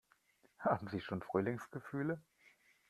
Haben Sie schon Frühlingsgefühle?